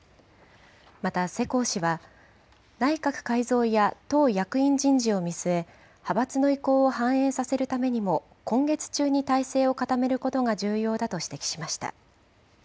また、世耕氏は、内閣改造や党役員人事を見据え、派閥の意向を反映させるためにも、今月中に体制を固めることが重要だと指摘しました。